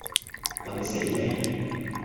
問你死未